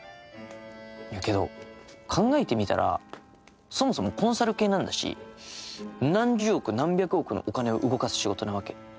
いやけど考えてみたらそもそもコンサル系なんだし何十億何百億のお金を動かす仕事なわけ。